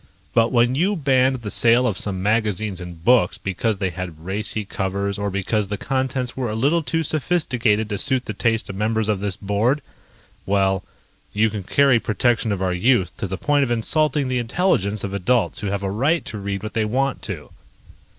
But when you banned the sale of some magazines and books because they had racy covers or because the contents were a little too sophisticated to suit the taste of members of this board ... well, you can carry protection of our youth to the point of insulting the intelligence of adults who have a right to read what they want to."